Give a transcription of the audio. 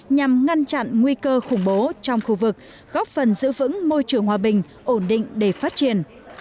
nhằm ngăn chặn nguy cơ khủng bố trong khu vực góp phần giữ vững môi trường hòa bình ổn định để phát triển